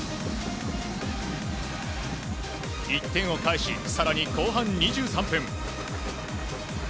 １点を返し更に後半２３分。